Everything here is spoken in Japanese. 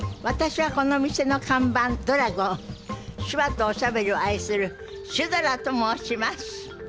私はこの店の看板ドラゴン手話とおしゃべりを愛するシュドラと申します。